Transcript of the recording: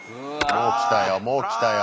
もう来たよもう来たよ。